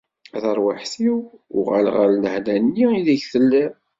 A tarwiḥt-iw, uɣal ɣer lehna nni ideg telliḍ.